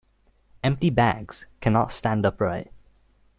Empty bags cannot stand upright.